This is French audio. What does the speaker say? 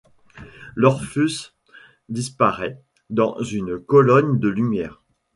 L'Orpheus disparait dans une colonne de lumière.